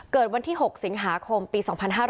เกิดวันที่๖สิงหาคมปี๒๕๔๓